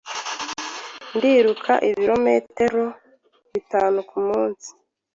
Ndiruka ibirometero bitanu kumunsi.